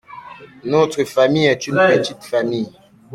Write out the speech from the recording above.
Notre famille est une petite famille.